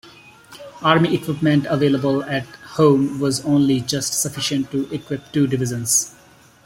Army equipment available at home was only just sufficient to equip two divisions.